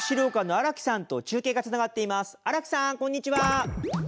荒木さんどうもこんにちは。